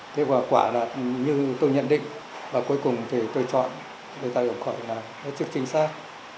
thế quả là như tôi nhận định và cuối cùng thì tôi chọn đại hội khởi là chức chính xác